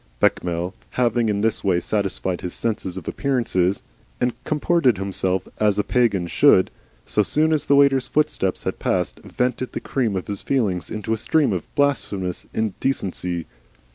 Bechamel, having in this way satisfied his sense of appearances, and comported himself as a Pagan should, so soon as the waiter's footsteps had passed, vented the cream of his feelings in a stream of blasphemous indecency.